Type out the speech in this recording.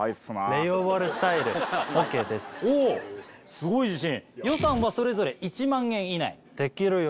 すごい自信！